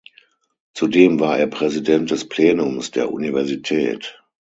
Zudem war er Präsident des Plenums der Universität.